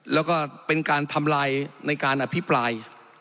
แล้วก็เป็นการทำลายในการอภิปราย